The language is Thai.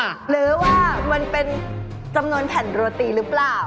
หรือว่ามันเป็นจำนวนแผ่นโรตีหรือเปล่า